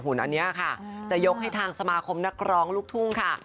อันนี้ค่ะจะยกให้ทางสมาคมนักร้องลูกทุ่งค่ะ